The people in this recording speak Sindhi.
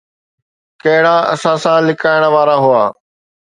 ڪهڙا اثاثا لڪائڻ وارا هئا؟